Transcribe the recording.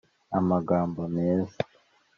amagambo meza